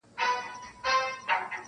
ستا خوږې خبري د سِتار سره سندري دي,